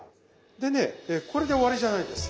でねこれで終わりじゃないです。